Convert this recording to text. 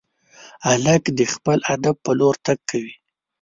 هلک د خپل هدف په لور تګ کوي.